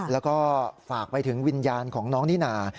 แล้วก็ฝากไปถึงวิญญาณของน้องนิน่า